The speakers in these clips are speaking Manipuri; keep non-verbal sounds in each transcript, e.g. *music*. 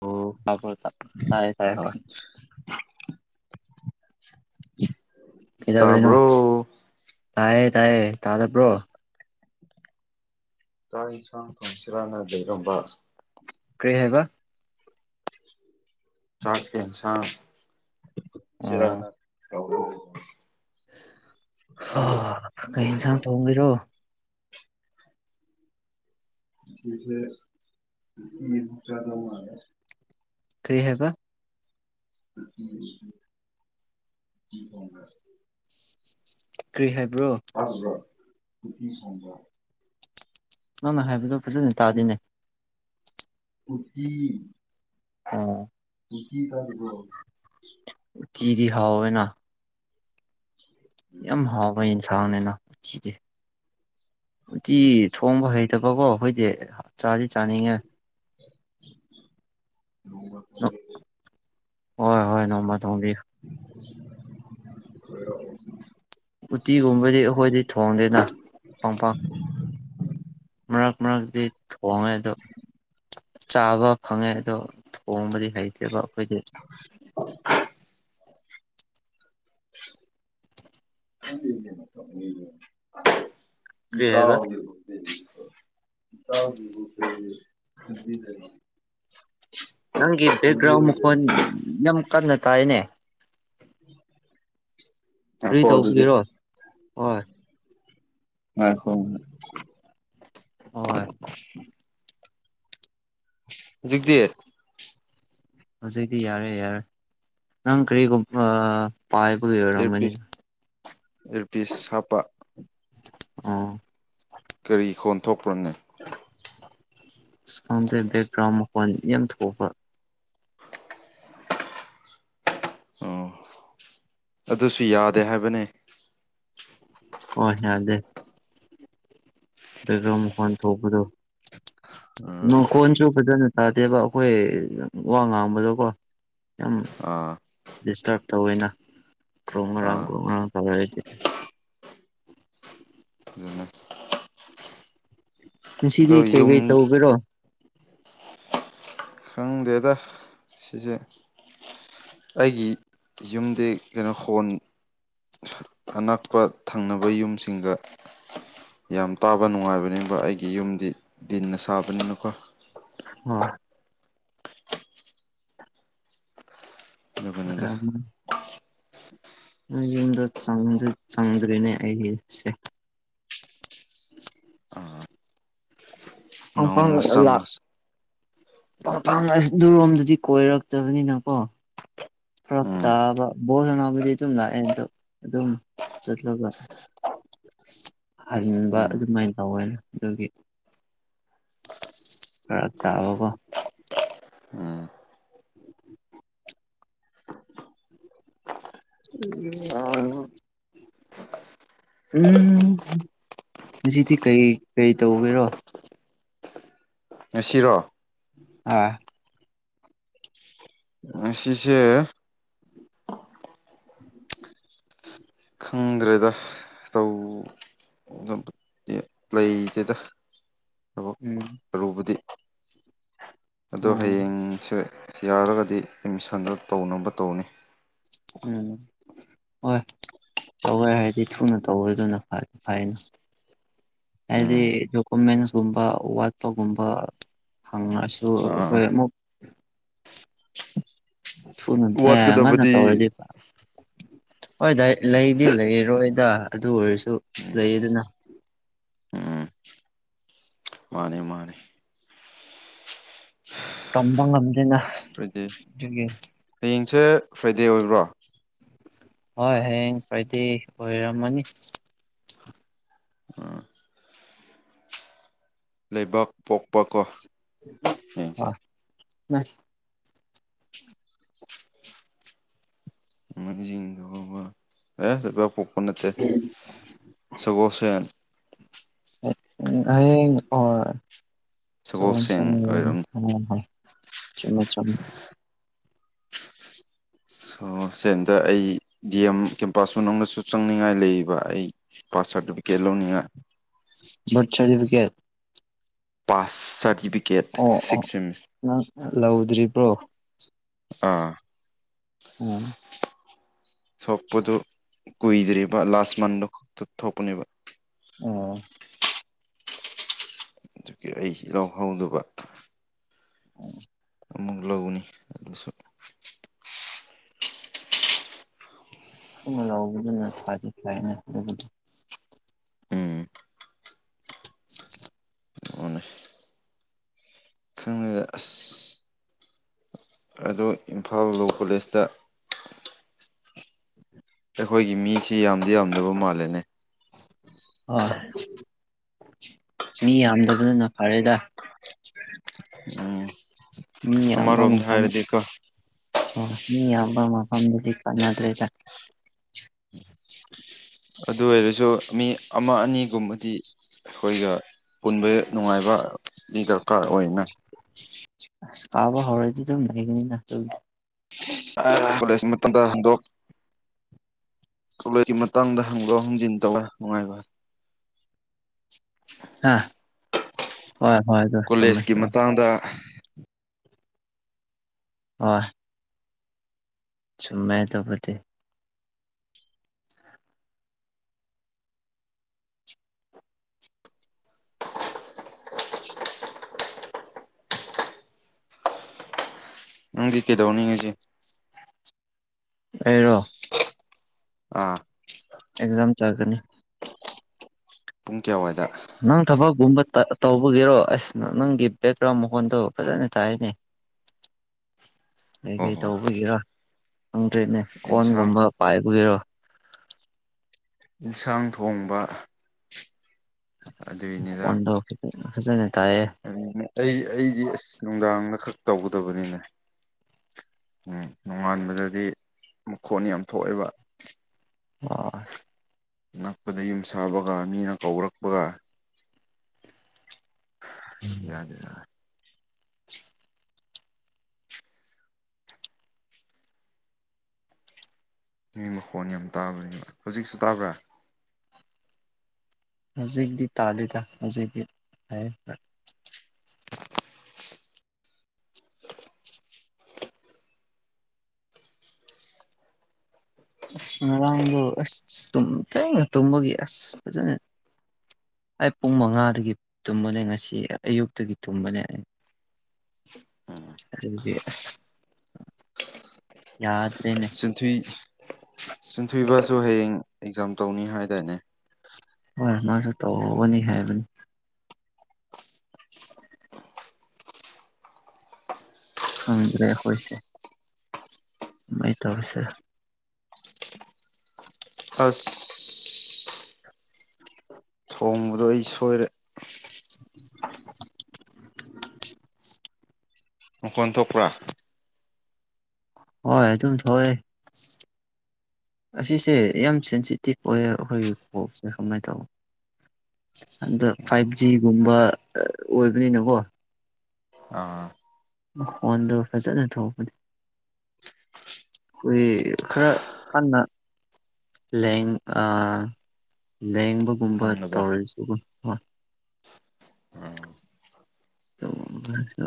ꯑꯣ ꯂꯥꯕ꯭ꯔꯣꯇ ꯇꯥꯏꯌꯦ ꯇꯥꯏꯌꯦ ꯍꯧꯋꯦ *inaudible* ꯀꯩꯗꯧꯔꯤꯅꯣ ꯇꯥꯕ꯭ꯔꯣ ꯇꯥꯏꯌꯦ ꯇꯥꯏꯌꯦ ꯇꯥꯗꯕ꯭ꯔꯣ ꯆꯥꯛ ꯏꯟꯁꯥꯡ ꯊꯣꯡꯁꯤꯔꯥꯅ ꯌꯦꯡꯔꯝꯕꯥ ꯀ꯭ꯔꯤ ꯍꯥꯏꯕ ꯆꯥꯛ ꯍꯦꯟꯁꯥꯡ ꯆꯤꯔꯥꯅ ꯇꯧꯔꯝꯃꯤꯅꯤ ꯍꯥ ꯀꯩ ꯌꯦꯟꯁꯥꯡ ꯊꯣꯡꯉꯤꯔꯣ ꯉꯁꯤꯁꯦ ꯌꯦꯟ ꯆꯥꯗꯧ ꯃꯥꯜꯂꯦ ꯀꯔꯤ ꯍꯥꯏꯕ *unintelligible* *unintelligible* ꯀ꯭ꯔꯤ ꯍꯥꯏꯕ꯭ꯔꯣ ꯇꯕ꯭ꯔꯣ ꯎꯇꯤ ꯊꯣꯡꯕ꯭ꯔꯣ ꯅꯪꯅ ꯍꯥꯏꯕꯗꯣ ꯐꯖꯅ ꯇꯥꯗꯦꯅꯦ ꯎꯇꯤ ꯑ *unintelligible* ꯇꯥꯔꯤꯕ꯭ꯔꯣ ꯎꯇꯤꯗꯤ ꯍꯥꯎꯑꯦꯅ ꯎꯇꯤꯗꯦ ꯎꯇꯤ ꯊꯣꯡꯕ ꯍꯩꯇꯕꯀꯣ ꯑꯩꯈꯣꯏꯗꯤ ꯆꯥꯗꯤ ꯆꯥꯅꯤꯡꯉꯦ ꯍꯣꯏ ꯍꯣꯏ ꯅꯣꯡꯃ *inaudible* ꯊꯣꯡꯕꯤꯌꯨ *inaudible* ꯎꯇꯤꯒꯨꯝꯕꯗꯤ ꯑꯩꯈꯣꯏꯗꯤ ꯊꯣꯡꯗꯦꯅ ꯄꯪ ꯄꯪ ꯃꯔꯛ ꯃꯔꯛꯇꯤ ꯊꯣꯡꯉꯦ ꯑꯗꯣ ꯆꯥꯕ ꯐꯪꯉꯦ ꯑꯗꯣ ꯊꯣꯡꯕꯗꯤ ꯍꯩꯇꯦꯕ ꯑꯩꯈꯣꯏꯗꯤ *inaudible* *inaudible* ꯀꯔꯤ ꯍꯥꯏꯕ ꯏꯇꯥꯎ *inaudible* ꯏꯇꯥꯎꯒꯤꯕꯨ *inaudible* ꯅꯪꯒꯤ ꯕꯦꯛꯒ꯭ꯔꯥꯎꯟ ꯃꯈꯣꯟ ꯌꯥꯝ ꯀꯟꯅ ꯇꯥꯏꯌꯦꯅꯦ ꯉꯏꯈꯣ ꯀꯔꯤ ꯑꯗꯨꯗꯤ ꯇꯧꯕꯒꯤꯔꯣ ꯍꯣꯏ ꯉꯥꯏꯈꯣ ꯍꯣꯏ ꯍꯧꯖꯤꯛꯗꯤ ꯍꯧꯖꯤꯛꯗꯤ ꯌꯥꯔꯦ ꯌꯥꯔꯦ ꯅꯪ ꯀꯔꯤꯒꯨꯝꯕ ꯄꯥꯏꯕꯒꯤ ꯏꯌꯔꯄꯤꯁ ꯑꯣꯏꯔꯝꯃꯅꯤꯗ ꯏꯌꯔꯄꯤꯁ ꯍꯥꯞꯄ ꯑ ꯀꯔꯤ ꯈꯣꯟ ꯊꯣꯛꯄ꯭ꯔꯣꯅꯦ ꯈꯪꯗꯦ ꯕꯦꯛꯒ꯭ꯔꯥꯎꯟ ꯃꯈꯣꯜ ꯌꯥꯝ ꯊꯣꯛꯄ ꯑꯣ ꯑꯗꯨꯁꯨ ꯌꯥꯗꯦ ꯍꯥꯏꯕꯅꯦ ꯑꯣꯏ ꯅꯥꯗꯦ ꯕꯦꯛꯒ꯭ꯔꯥꯎꯟ ꯃꯈꯣꯜ ꯊꯣꯛꯄꯗꯣ ꯎꯝ ꯅꯀꯣꯟꯁꯨ ꯐꯖꯅ ꯇꯥꯗꯦꯕ ꯑꯩꯈꯣꯏ ꯋꯥ ꯉꯥꯡꯕꯗꯀꯣ ꯌꯥꯝ ꯑꯥ ꯗꯤꯁꯇꯞ ꯇꯧꯏꯅꯥ ꯀ꯭ꯔꯣꯛ ꯉꯥꯔꯥꯡ ꯑꯥ ꯒ꯭ꯔꯣꯛ ꯉꯥꯡ ꯇꯧꯔꯛꯏꯗꯤ ꯎꯝ ꯑꯗꯣ ꯉꯁꯤꯗꯤ ꯌꯨꯝ ꯀꯩꯀꯩ ꯇꯧꯒꯦꯔꯣ ꯈꯪꯗꯦꯗ ꯁꯤꯁꯦ ꯑꯩꯒꯤ ꯌꯨꯝꯗꯤ ꯀꯩꯅꯣ ꯍꯣꯟ ꯑꯅꯛꯄ ꯊꯪꯅꯕ ꯌꯨꯝꯁꯤꯡꯒ ꯌꯥꯝ ꯇꯥꯕ ꯅꯨꯡꯉꯥꯏꯕꯅꯤꯕ ꯑꯩꯒꯤ ꯌꯨꯝꯗꯤ ꯗꯤꯟꯅ ꯁꯥꯕꯅꯤꯅꯀꯣ ꯎ ꯑꯗꯨꯒꯅꯤꯗ *inaudible* ꯑꯩ ꯌꯨꯝꯗ ꯆꯪꯗꯤ ꯆꯪꯗ꯭ꯔꯤꯅꯦ ꯑꯩꯒꯤꯁꯦ ꯑꯥ ꯐꯪꯐ ꯅꯣꯡꯃ ꯑꯂꯥꯛ ꯆꯪꯉꯣ ꯄꯥꯄꯥꯡ ꯑꯁ ꯗꯨꯔꯣꯝꯗꯗꯤ ꯀꯣꯏꯔꯛꯇꯕꯅꯤꯅꯀꯣ ꯍꯞ ꯎꯝ ꯇꯥꯕ ꯕꯣꯜ ꯍꯅꯥꯕꯨꯗꯤ ꯑꯗꯨꯝ ꯂꯥꯛꯑꯦ ꯑꯗꯣ ꯑꯗꯨꯝ ꯆꯠꯂꯒ ꯍꯟꯕ ꯎꯝ ꯑꯗꯨꯃꯥꯏꯅ ꯇꯧꯋꯦꯅ ꯑꯗꯨꯒꯤ ꯔ ꯇꯕꯒꯣ ꯎꯝ *inaudible* *unintelligible* ꯎꯝ ꯍꯧꯖꯤꯗꯤ ꯀꯔꯤ ꯀꯔꯤ ꯇꯧꯒꯦꯔꯣ ꯉꯁꯤꯔꯣ ꯑꯥ ꯉꯁꯤꯁꯦ ꯈꯪꯗ꯭ꯔꯦꯗ ꯑꯗꯨ ꯂꯩꯇꯦꯗ ꯊꯕꯛ ꯎꯝ ꯑꯔꯨꯕꯗꯤ ꯑꯗꯣ ꯎꯝ ꯍꯌꯦꯡꯁꯦ ꯌꯥꯔꯒꯗꯤ ꯑꯦꯠꯃꯤꯁꯟꯗꯣ ꯇꯧꯅꯕ ꯇꯧꯅꯤ ꯎꯝ ꯍꯣꯏ ꯇꯧꯒ꯭ꯔꯦ ꯍꯥꯏꯔꯗꯤ ꯊꯨꯅ ꯇꯧꯕꯗꯨꯅ ꯐꯅꯤ ꯐꯩꯅ ꯍꯥꯏꯗꯤ ꯎꯝ ꯗꯣꯀꯨꯃꯦꯟꯁꯀꯨꯝꯕ ꯋꯥꯠꯄꯒꯨꯝꯕ ꯍꯪꯉꯁꯨ ꯑꯥ ꯑꯩꯈꯣꯏ ꯑꯃꯨꯛ ꯊꯨꯅ ꯑꯦ ꯉꯟꯅ ꯋꯥꯠꯀꯗꯕꯗꯤ ꯇꯧꯔꯗꯤꯕ ꯍꯣꯏ ꯗꯥ ꯂꯩꯗꯤ ꯂꯩꯔꯣꯏꯗ ꯑꯗꯨ ꯑꯣꯏꯔꯁꯨ ꯂꯩ ꯑꯗꯅ ꯎꯝ ꯃꯥꯅꯦ ꯃꯥꯅꯦ ꯇꯝꯕ ꯉꯝꯗꯦꯅ ꯐ꯭ꯔꯥꯏꯗꯦ ꯑꯗꯨꯒꯤ ꯍꯌꯦꯡꯁꯦ ꯐ꯭ꯔꯥꯏꯗꯦ ꯑꯣꯏꯕ꯭ꯔꯣ ꯍꯣꯏ ꯍꯌꯦꯡ ꯐ꯭ꯔꯥꯏꯗꯦ ꯑꯣꯏꯔꯝꯃꯅꯤ ꯑꯥ ꯂꯩꯕꯥꯛ ꯄꯣꯛꯄ ꯀꯣ ꯍꯌꯦꯡꯁꯦ *unintelligible* ꯅꯣꯃꯥꯏꯖꯤꯡ ꯂꯩꯕꯥꯛꯄꯣꯛꯄ ꯑꯦ ꯂꯩꯕꯥꯛꯄꯣꯛꯄ ꯅꯠꯇꯦ ꯁꯒꯣꯜꯁꯦꯟ ꯁꯒꯣꯜꯁꯦꯟ ꯑꯣꯏꯔꯝꯅꯤ *unintelligible* ꯆꯨꯃꯦ ꯆꯨꯃꯦ ꯁꯣ ꯁꯦꯟꯗ ꯑꯩ ꯗꯤ ꯑꯦꯝ ꯀꯦꯝꯄꯥꯁ ꯃꯅꯨꯡꯗꯁꯨ ꯆꯪꯅꯤꯡꯉꯥꯏ ꯂꯩꯕ ꯑꯩ ꯄꯥꯁ ꯁꯔꯇꯤꯐꯤꯀꯦꯠ ꯂꯧꯅꯤꯉꯥꯢ ꯕꯔꯠ ꯁꯔꯇꯤꯐꯤꯀꯦꯠ ꯄꯥꯁ ꯁꯔꯇꯤꯐꯤꯠ ꯑꯣ ꯑꯣ ꯅꯪ ꯂꯧꯗ꯭ꯔꯤꯕ꯭ꯔꯣ ꯑꯥ ꯎꯝ ꯁꯣꯛꯄꯗꯨ ꯀꯨꯏꯗ꯭ꯔꯤꯕ ꯂꯥꯁ ꯃꯟꯗꯣ ꯈꯛꯇ ꯊꯣꯛꯄꯅꯦꯕ ꯑꯣ ꯆꯨꯀꯤ ꯑꯩ ꯍꯤꯔꯥꯎ ꯍꯧꯗꯕ *unintelligible* ꯑꯃꯨꯛ ꯂꯧꯅꯤ ꯑꯗꯨꯁꯨ *inaudible* ꯎꯝ *unintelligible* ꯑꯣꯅꯦ ꯈꯪꯉꯦ ꯑꯁ ꯑꯗꯣ ꯏꯝꯐꯥꯜ ꯂꯣ ꯀꯣꯂꯦꯖꯇ ꯑꯩꯈꯣꯏꯒꯤ ꯃꯤꯁꯤ ꯌꯥꯝꯗꯤ ꯌꯥꯝꯗꯕ ꯃꯥꯜꯂꯦꯅꯦ ꯑꯥꯏ ꯃꯤ ꯌꯥꯝꯗꯕꯅꯤꯅ ꯐꯔꯦꯗ ꯎꯝ ꯃꯤ ꯌꯥꯝꯕ ꯑꯃꯔꯣꯝꯗ ꯃꯐꯝ ꯍꯥꯏꯔꯗꯤꯀꯣ ꯍꯣꯢ ꯃꯤ ꯌꯥꯝꯕ ꯃꯐꯝꯗꯗꯤ ꯀꯥꯟꯅꯗ꯭ꯔꯦꯗ *unintelligible* ꯑꯗꯨ ꯑꯣꯏꯔꯁꯨ ꯃꯤ ꯑꯃ ꯑꯅꯤꯒꯨꯝꯕꯗꯤ ꯑꯩꯈꯣꯏꯒ ꯄꯨꯟꯕ ꯅꯨꯡꯉꯥꯏꯕ ꯗꯤ ꯗꯔꯀꯥꯔ ꯑꯣꯏꯅ ꯀꯥꯕ ꯍꯧꯔꯗꯤ ꯗꯨꯝ ꯂꯩꯒꯅꯤꯅ ꯗꯨꯗꯤ ꯀꯣꯂꯦꯖ ꯃꯇꯝꯗ ꯍꯟꯗꯣꯛ ꯀꯣꯂꯦꯖꯒꯤ ꯃꯇꯥꯡꯗ ꯍꯪꯗꯣꯛ ꯍꯪꯖꯤꯟ ꯇꯧꯂ ꯅꯨꯡꯉꯥꯏꯕ ꯍꯣꯏ ꯍꯣꯏ ꯑꯗꯨ ꯆꯝꯃꯦ ꯆꯝꯃꯦ ꯇꯥꯡꯗ ꯑꯣꯢ ꯆꯨꯝꯃꯦ ꯑꯗꯨꯕꯨꯗꯤ ꯅꯪꯗꯤ ꯀꯩꯗꯧꯅꯤ ꯉꯁꯤ ꯑꯩꯔꯣ ꯑꯥ ꯑꯦꯛꯖꯥꯝ ꯆꯥꯒꯅꯤ ꯄꯨꯡ ꯀꯌꯥꯋꯥꯏꯗ ꯅꯪ ꯊꯕꯛꯀꯨꯝꯕ ꯇ ꯇꯧꯕꯒꯤꯔꯣ ꯑꯁ ꯅꯪꯒꯤ ꯕꯦꯛꯒ꯭ꯔꯥꯎꯟ ꯃꯈꯣꯟꯗꯣ ꯐꯖꯅ ꯇꯥꯏꯅꯦ *inaudible* ꯑꯣ ꯀꯩꯀꯩ ꯑꯣ ꯇꯧꯕꯒꯤꯔ ꯈꯪꯗ꯭ꯔꯧꯅꯦ ꯏꯟꯁꯥꯡ ꯀꯣꯟꯒꯨꯝꯕ ꯄꯥꯏꯕꯒꯤꯔꯣ ꯏꯟꯁꯥꯡ ꯊꯣꯡꯕ ꯃꯀꯣꯟꯗꯣ ꯐꯖꯅ ꯇꯥꯏꯌꯦ ꯀꯔꯤꯅꯣ ꯑꯩ ꯑꯩꯒꯤ ꯑꯁ ꯅꯨꯡꯗꯥꯡꯅ ꯈꯛ ꯇꯧꯒꯗꯕꯅꯤꯅꯦ ꯎꯝ ꯅꯣꯡꯉꯥꯟꯕꯗꯗꯤ ꯃꯈꯣꯟ ꯌꯥꯝ ꯊꯣꯛꯑꯦꯕ ꯃꯥꯏ ꯅꯛꯄꯗ ꯌꯨꯝ ꯁꯥꯕꯒ ꯃꯤꯅ ꯀꯧꯔꯛꯄꯒ ꯌꯥꯗꯦꯗ *inaudible* ꯃꯤ ꯃꯈꯣꯟ ꯌꯥꯝ ꯇꯥꯕꯅꯦꯕ ꯍꯧꯖꯤꯛꯁꯨ ꯇꯥꯕ꯭ꯔꯥ ꯍꯧꯖꯤꯛꯗꯤ ꯇꯥꯂꯤꯗ ꯍꯧꯖꯤꯛꯗꯤ ꯇꯥꯏꯌꯦ ꯈꯔ *unintelligible* ꯑꯁ ꯉꯔꯥꯡꯗꯨ ꯑꯁ ꯇꯨꯝ ꯊꯦꯡꯅ ꯇꯨꯝꯕꯒꯤ ꯑꯁ ꯐꯖꯅ ꯑꯩ ꯄꯨꯡ ꯃꯉꯥꯗꯒꯤ ꯇꯨꯝꯕꯅꯦ ꯉꯁꯤ ꯑꯌꯨꯛꯇꯒꯤ ꯇꯨꯝꯕꯅꯦ ꯑꯩ *inaudible* ꯎꯝ ꯑꯗꯨꯒꯗꯤ ꯑꯁ ꯌꯥꯗ꯭ꯔꯦꯅꯦ ꯑꯝꯊꯨꯏ ꯆꯟꯊꯨꯏꯕꯁꯨ ꯍꯌꯦꯡ ꯑꯦꯛꯖꯥꯝ ꯇꯧꯅꯤ ꯍꯥꯏꯗꯥꯏꯅꯦ ꯍꯣꯏ ꯃꯥꯁꯨ ꯇꯧꯕꯅꯤ ꯍꯥꯏꯕꯅꯤ ꯈꯪꯗ꯭ꯔꯦ ꯑꯩꯈꯣꯏꯁꯦ ꯃꯥꯏ ꯇꯧꯁꯦ ꯑꯁ ꯊꯣꯡꯕꯗꯣ ꯑꯩ ꯁꯣꯏꯔꯦ *inaudible* ꯃꯥꯈꯣꯟ ꯊꯣꯛꯄ꯭ꯔꯥ ꯍꯣꯏ ꯑꯗꯨꯝ ꯊꯣꯛꯑꯦ ꯑꯁꯤꯁꯦ ꯌꯥꯝ ꯁꯦꯟꯁꯤꯇꯤꯞ ꯑꯣꯏꯌꯦ ꯑꯩꯈꯣꯏꯒꯤ ꯀꯣꯛꯁꯦ ꯀꯃꯥꯏ ꯇꯧꯕ ꯑꯗ ꯐꯥꯏꯚ ꯖꯤꯒꯨꯝꯕ ꯑꯥ ꯑꯣꯏꯕꯅꯤꯅꯒꯣ ꯑꯥ ꯃꯈꯣꯟꯗꯣ ꯐꯖꯅ ꯊꯣꯛꯄꯗꯤ ꯍꯣꯏꯌꯦ ꯈꯔ ꯀꯟꯅ ꯂꯦꯡ ꯑꯥ ꯂꯦꯡꯕꯒꯨꯝꯕ ꯈꯪꯅꯕ ꯇꯧꯔꯖꯨ ꯑꯥ ꯇꯧꯕꯝ ꯃꯥꯁꯨ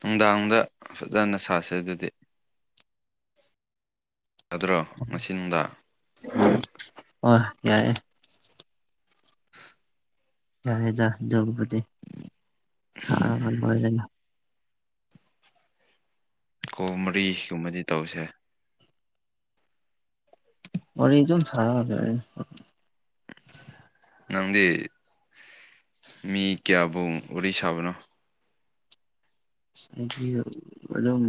ꯅꯨꯡꯗꯥꯡꯗ ꯐꯖꯅ ꯁꯥꯁꯦ ꯑꯗꯨꯗꯤ ꯌꯥꯗ꯭ꯔꯣ ꯉꯁꯤ ꯅꯨꯡꯗꯥꯡ ꯍꯣꯏ ꯌꯥꯏꯌꯦ ꯌꯥꯔꯦꯗ ꯑꯗꯨꯕꯨꯗꯤ ꯁꯔꯥ ꯀꯥꯟ ꯃꯥꯔꯦ __ ꯀꯣ ꯃꯔꯤꯒꯨꯝꯕꯗꯤ ꯇꯧꯁꯦ ꯋꯥꯔꯤ ꯑꯗꯨꯝ ꯁꯥꯔꯛꯑꯒꯦ ꯑꯩꯅ ꯅꯪꯗꯤ ꯃꯤ ꯀꯌꯥꯕꯨ ꯋꯥꯔꯤ ꯁꯥꯕꯅꯣ ꯑꯁ ꯑꯩꯗꯤ ꯑꯗꯨꯝ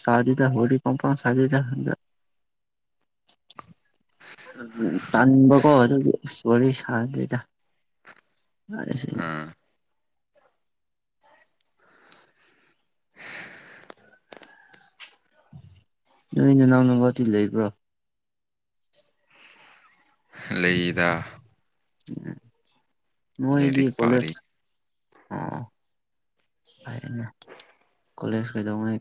ꯁꯥꯗꯦꯗ ꯋꯥꯔꯤ ꯄꯝꯄ ꯁꯥꯗꯦꯗ ꯑꯟꯗ ꯑꯗ ꯇꯟꯕꯀꯣ ꯑꯗꯨꯒꯤ ꯑꯁ ꯋꯥꯔꯤ ꯁꯥꯗꯦꯗ ꯐꯥꯔꯦ ꯁꯤ ꯑꯥ ꯅꯣꯏ ꯅꯅꯥꯎꯅꯨꯄꯥꯇꯤ ꯂꯩꯕ꯭ꯔꯣ ꯂꯩꯗ ꯅꯣꯏꯗꯤ ꯂꯥꯏꯔꯤꯛ ꯄꯥꯔꯤ ꯀꯂꯦꯖ ꯑꯣ ꯍꯥꯏꯅꯦ ꯀꯣꯂꯦꯖ ꯀꯩꯗꯧꯉꯩ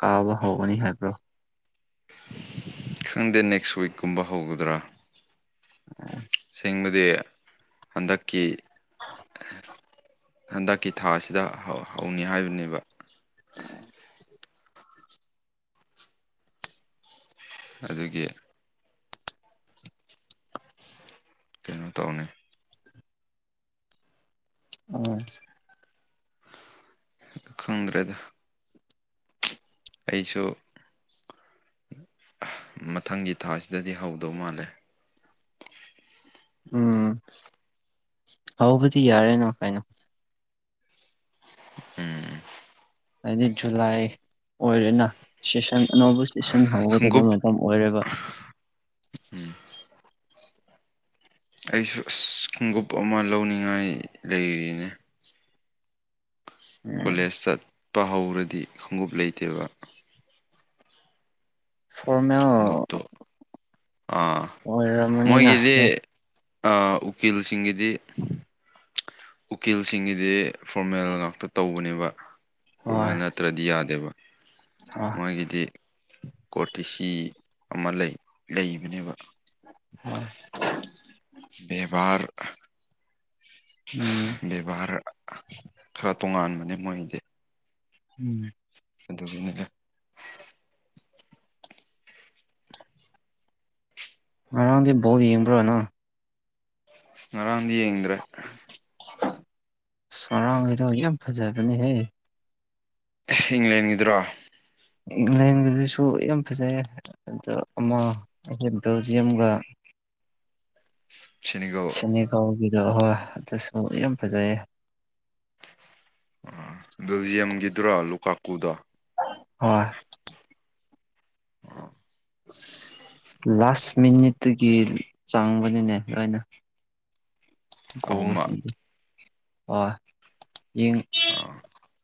ꯀꯥꯕ ꯍꯧꯒꯅꯤ ꯍꯥꯏꯕ꯭ꯔꯣ ꯈꯪꯗꯦ ꯅꯦꯛꯁ ꯋꯤꯛꯀꯨꯝꯕ ꯍꯧꯒꯗ꯭ꯔꯥ ꯑꯥ ꯎꯪꯒꯗꯤ ꯍꯟꯗꯛꯀꯤ ꯑꯥ ꯍꯟꯗꯛꯀꯤ ꯊꯥꯁꯤꯗ ꯍꯧ ꯍꯧꯅꯤ ꯍꯥꯏꯕꯅꯦꯕ ꯎꯝ ꯑꯗꯨꯒꯤ ꯀꯩꯅꯣ ꯇꯧꯅꯦ ꯎꯝ ꯈꯪꯗ꯭ꯔꯦꯗ ꯑꯩꯁꯨ ꯑꯥ ꯃꯊꯪꯒꯤ ꯊꯥꯁꯤꯗꯗꯤ ꯍꯧꯗꯧ ꯃꯥꯜꯂꯦ ꯎꯝ ꯍꯧꯕꯗꯤ ꯌꯥꯔꯦꯅ ꯅꯨꯡꯉꯥꯏꯅ ꯎꯝ ꯍꯥꯏꯗꯤ ꯖꯨꯂꯥꯏ ꯑꯣꯏꯔꯦꯅ ꯁꯦꯁꯟ ꯑꯅꯧꯕ ꯁꯦꯁꯟ ꯈꯣꯡꯎꯞ ꯍꯧꯒꯗꯕ ꯃꯇꯝ ꯑꯣꯏꯔꯦꯕ ꯎꯝ ꯑꯩꯁꯨ ꯑꯁ ꯈꯣꯡꯒꯨꯞ ꯑꯃ ꯂꯧꯅꯤꯡꯉꯥꯏ ꯂꯩꯔꯤꯅꯦ ꯎꯝ ꯀꯣꯂꯦꯖ ꯆꯠꯄ ꯍꯧꯔꯗꯤ ꯈꯣꯡꯎꯞ ꯂꯩꯇꯦꯕ ꯐꯣꯔꯃꯦꯜ ꯈꯣꯡꯎꯞꯇꯣ ꯑꯥ ꯑꯣꯏꯔꯝꯃꯅꯤꯅ ꯃꯣꯏꯒꯤꯗꯤ ꯍꯣꯏ ꯑꯥ ꯎꯀꯤꯜꯁꯤꯡꯒꯤꯗꯤ ꯎꯀꯤꯜꯁꯤꯡꯒꯤꯗꯤ ꯐꯣꯔꯃꯦꯜ ꯉꯥꯛꯇ ꯇꯧꯕꯅꯦꯕ ꯍꯣꯏ ꯐꯣꯔꯃꯦꯜꯅꯠ ꯇ꯭ꯔꯗꯤ ꯌꯥꯗꯦꯕ ꯃꯣꯏꯒꯤꯗꯤ ꯀꯣꯔꯇꯤ ꯁꯤ ꯑꯃ ꯂꯩ ꯂꯩꯕꯅꯦꯕ꯫ ꯍꯣꯏ ꯑꯦꯚ꯭ꯔ ꯍꯥ ꯎꯝ ꯕꯦꯚꯥꯔ ꯈꯔ ꯇꯣꯉꯥꯟꯕꯅꯦ ꯃꯣꯏꯒꯤꯗꯤ꯫ ꯎꯝ꯫ ꯑꯗꯨꯒꯤꯅꯦꯗ ꯉꯔꯥꯡꯗꯤ ꯕꯣꯜ ꯌꯦꯡꯕ꯭ꯔꯣ ꯅꯪ ꯉꯔꯥꯡꯗꯤ ꯌꯦꯡꯗ꯭ꯔꯦ꯫ ꯑꯁ ꯉꯔꯥꯡꯒꯤꯗꯣ ꯌꯥꯝ ꯐꯖꯕꯅꯦꯍꯦ꯫ ꯏꯪꯂꯦꯟꯒꯤꯗꯨꯔꯣ꯫ ꯏꯪꯂꯦꯟꯒꯤꯗꯨꯁꯨ ꯌꯥꯝ ꯐꯖꯩꯌꯦ ꯑꯗꯣ ꯑꯃ ꯕꯦꯜꯖꯤꯌꯝꯒ꯫ ꯁꯤꯅꯤꯒꯣ꯫ ꯅꯤꯒꯥꯎꯒꯤꯗꯣ ꯍꯣꯏ ꯑꯗꯨꯁꯨ ꯌꯥꯝ ꯐꯖꯩꯌꯦ꯫ ꯕꯦꯜꯖꯤꯌꯝꯒꯤꯗꯨꯔꯣ ꯂꯨꯀꯥꯀꯨꯗꯣ꯫ ꯍꯣꯏ꯫ ꯂꯥꯁ ꯃꯤꯅꯤꯠꯇꯒꯤ ꯆꯥꯡꯕꯅꯤꯅꯦ ꯂꯣꯏꯅ꯫ ꯑꯍꯨꯝꯃꯛ *unintelligible* ꯑ